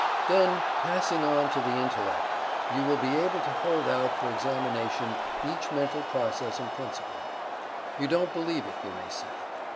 Then passing on to the Intellect, you will be able to hold out for examination each mental process and principle. You don't believe it, you may say.